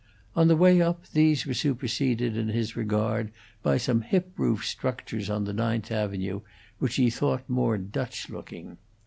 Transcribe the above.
On the way up, these were superseded in his regard by some hip roof structures on the Ninth Avenue, which he thought more Dutch looking.